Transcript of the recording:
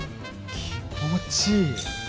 気持ちいい。